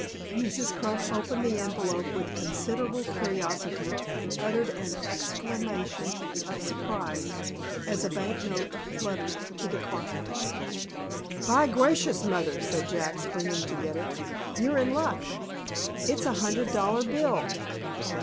Mrs. Crump opened the envelope with considerable curiosity, and uttered an exclamation of surprise, as a bank note fluttered to the carpet. "By gracious, mother," said Jack, springing to get it, "you're in luck. It's a hundred dollar bill."